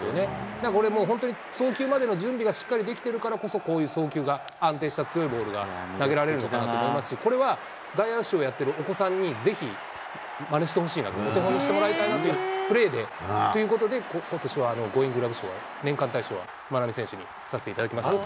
だからもうこれ、送球までの準備がしっかりできてるからこそ、こういう送球が、安定した強いボールが投げられるのかなと思いますし、これは外野手をやっているお子さんにぜひ、まねしてほしいなと、お手本にしてもらいたいというプレーで、ということで、ことしはゴーインググラブ賞、年間大賞を万波選手にさせていただきました。